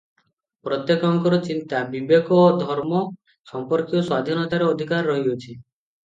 ପ୍ରତ୍ୟେକଙ୍କର ଚିନ୍ତା, ବିବେକ ଓ ଧର୍ମ ସମ୍ପର୍କୀୟ ସ୍ୱାଧୀନତାରେ ଅଧିକାର ରହିଅଛି ।